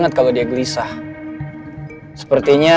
jadi indonesianere maksudnya